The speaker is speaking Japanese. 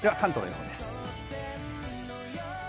では関東の予報です。